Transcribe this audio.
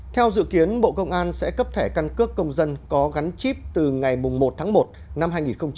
theo dự kiến bộ công an sẽ cấp thẻ căn cước công dân có gắn chip từ ngày một tháng một năm hai nghìn hai mươi